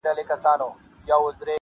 بېخبره د توپان له شواخونه -